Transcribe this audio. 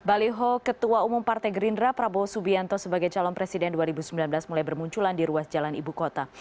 baliho ketua umum partai gerindra prabowo subianto sebagai calon presiden dua ribu sembilan belas mulai bermunculan di ruas jalan ibu kota